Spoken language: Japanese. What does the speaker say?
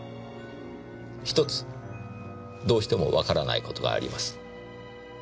１つどうしてもわからない事があります。